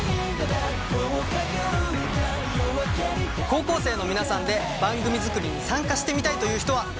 高校生の皆さんで番組作りに参加してみたいという人はいませんか？